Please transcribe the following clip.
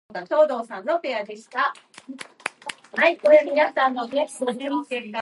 An annual community talent show, Kiwanis Kapers, occurs in the fall.